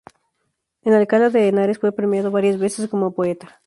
En Alcalá de Henares fue premiado varias veces como poeta.